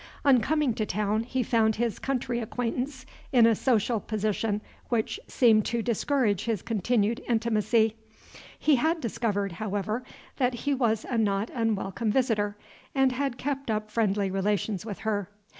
On coming to town, he found his country acquaintance in a social position which seemed to discourage his continued intimacy. He had discovered, however; that he was a not unwelcome visitor, and had kept up friendly relations with her.